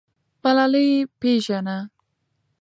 ملالۍ پیژنه.